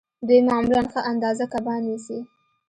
دوی معمولاً ښه اندازه کبان نیسي